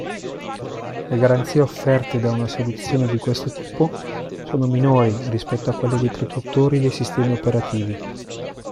Le garanzie offerte da una soluzione di questo tipo sono minori rispetto a quelle dei produttori dei sistemi operativi.